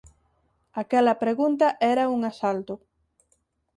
Aquela pregunta era un asalto.